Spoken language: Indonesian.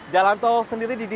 jalan tol sendiri dibangun